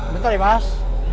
bentar ya mas